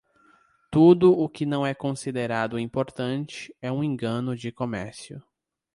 Tudo o que não é considerado importante é um engano de comércio.